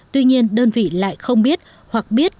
tuy nhiên đơn vị lại không biết hoặc biết